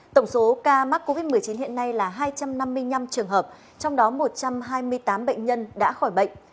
tổng số ca mắc covid một mươi chín hiện nay là hai trăm năm mươi năm trường hợp trong đó một trăm hai mươi tám bệnh nhân đã khỏi bệnh